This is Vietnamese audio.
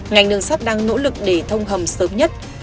ngành đường sắt đang nỗ lực để thông hầm sớm nhất